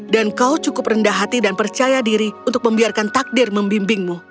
dan kau cukup rendah hati dan percaya diri untuk membiarkan takdir membimbingmu